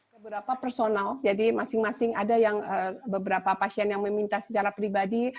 beberapa personal jadi masing masing ada yang beberapa pasien yang meminta secara pribadi